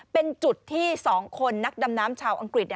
เป็นจุดที่๒คนนักดำน้ำชาวอังกฤษ